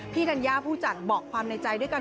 ธัญญาผู้จัดบอกความในใจด้วยกัน